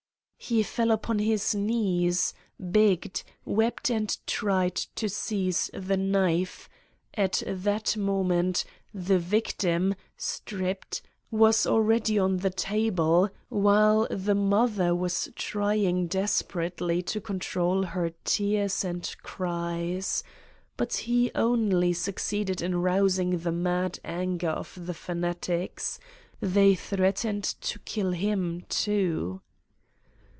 He fell upon his knees, begged, wept and tried to seize the knife at that moment the victim, stripped, was already on the table while the mother was trying desperately to control her tears and cries but he only succeeded in rousing the mad anger of the fanatics : they threatened to kill him, too.